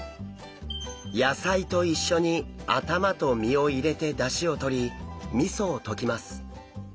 野菜と一緒に頭と身を入れて出汁をとりみそを溶きます。